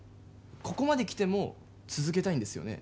ここまで来ても続けたいんですよね？